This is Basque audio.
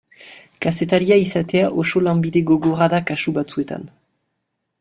Kazetaria izatea oso lanbide gogorra da kasu batzuetan.